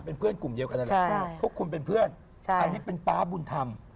เป็นเพื่อนกลุ่มเดียวกันนั่นแหละพวกคุณเป็นเพื่อนอันนี้เป็นป๊าบุญธรรม